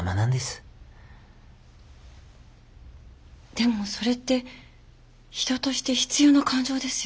でもそれって人として必要な感情ですよね。